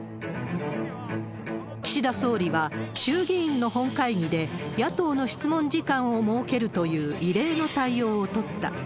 岸田総理は衆議院の本会議で、野党の質問時間を設けるという異例の対応を取った。